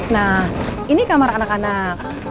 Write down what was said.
nah ini kamar anak anak